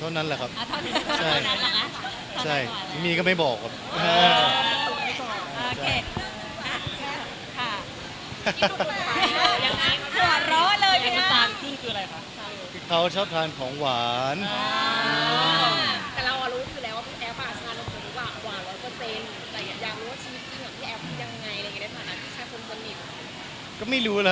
ออฟเล็กคอร์ดมีหวานกว่านี้ไหมคะ